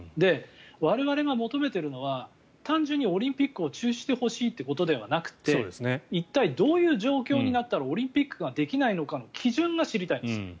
我々が求めているのは単純にオリンピックを中止してほしいということではなくて一体どういう状況になったらオリンピックができないのかの基準が知りたいんです。